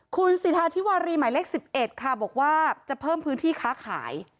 คุณสิทธาธิวารีหมายเลข๑๑ค่ะบอกว่าจะเพิ่มพื้นที่ค้าขาย